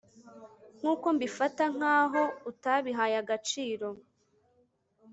Nkuko mbifata nkaho utabihaye agaciro